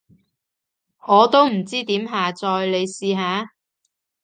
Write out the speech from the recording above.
我都唔知點下載，你試下？